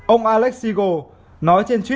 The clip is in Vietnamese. ông alex seagal nói trên truyện